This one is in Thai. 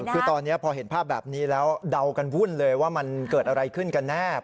คือตอนนี้พอเห็นภาพแบบนี้แล้วเดากันวุ่นเลยว่ามันเกิดอะไรขึ้นกันแน่